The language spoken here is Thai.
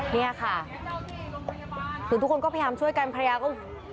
เนี่ยค่ะคือทุกคนก็พยายามช่วยกันภรรยาก็